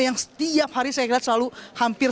yang setiap hari saya kira selalu hampir